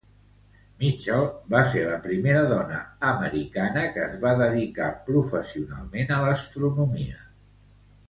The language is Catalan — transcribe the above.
Mitchell va ser la primera dona americana que es va dedicar professionalment a l'astronomia.